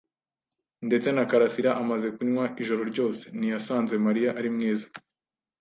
Ndetse na karasira amaze kunywa ijoro ryose, ntiyasanze Mariya ari mwiza.